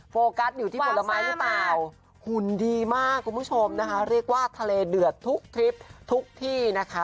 โฟกัสอยู่ที่ผลไม้หรือเปล่าหุ่นดีมากคุณผู้ชมนะคะเรียกว่าทะเลเดือดทุกทริปทุกที่นะคะ